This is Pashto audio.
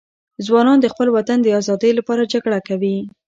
ځوانان د خپل وطن د آزادۍ لپاره جګړه کوي.